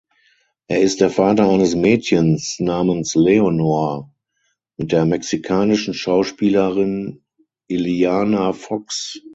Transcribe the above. Er ist der Vater eines Mädchens namens Leonor mit der mexikanischen Schauspielerin Iliana Fox.